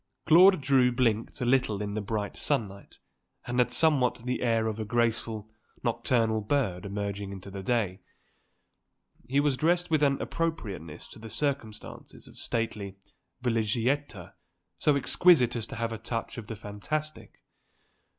Claude Drew blinked a little in the bright sunlight and had somewhat the air of a graceful, nocturnal bird emerging into the day. He was dressed with an appropriateness to the circumstances of stately villégiature so exquisite as to have a touch of the fantastic.